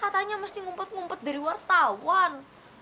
katanya mesti ngumpet ngumpet dari wartawan